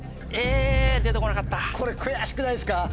これ悔しくないですか？